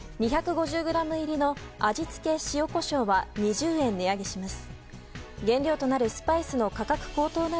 ２５０ｇ入りの味付け塩こしょうは２０円値上げします。